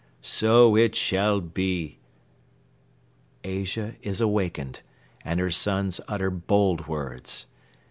So it shall be!" Asia is awakened and her sons utter bold words.